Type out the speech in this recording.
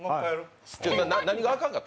何があかんかった？